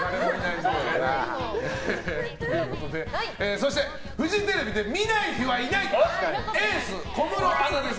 そして、フジテレビで見ない日はいないエース、小室アナです。